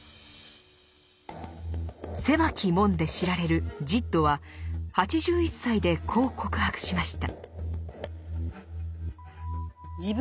「狭き門」で知られるジッドは８１歳でこう告白しました。